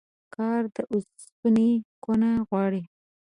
کار د اوسپني کونه غواړي.